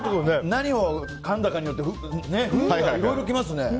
何をかんだかによって風味がいろいろきますね。